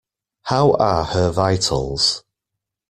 How are her vitals?